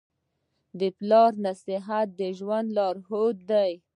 د پلار نصیحت د ژوند لارښود دی.